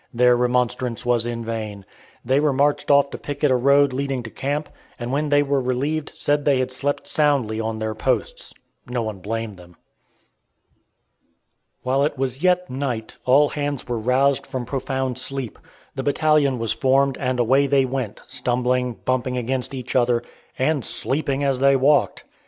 Their remonstrance was in vain. They were marched off to picket a road leading to camp, and when they were relieved, said they had slept soundly on their posts. No one blamed them. While it was yet night all hands were roused from profound sleep; the battalion was formed, and away they went, stumbling, bumping against each other, and sleeping as they walked.